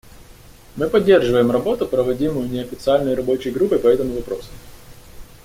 Мы поддерживаем работу, проводимую Неофициальной рабочей группой по этому вопросу.